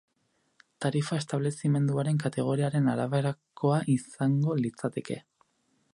Tarifa establezimenduaren kategoriaren araberakoa izango litzateke.